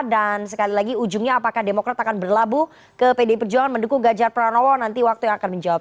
dan sekali lagi ujungnya apakah demokrat akan berlabuh ke pd perjuangan mendukung gajah pranowo nanti waktu yang akan menjawab